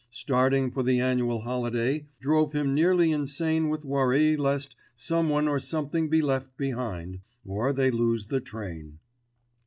Starting for the annual holiday drove him nearly insane with worry lest someone or something be left behind, or they lose the train.